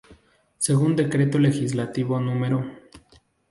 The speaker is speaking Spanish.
Según Decreto Legislativo No.